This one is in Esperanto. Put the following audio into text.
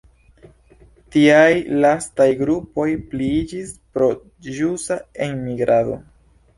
Tiaj lastaj grupoj pliiĝis pro ĵusa enmigrado.